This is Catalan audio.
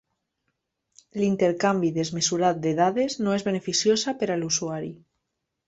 L'intercanvi desmesurat de dades no és beneficiosa per a l'usuari.